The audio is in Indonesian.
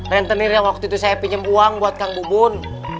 rentenir yang waktu itu saya pinjam uang buat kang bubun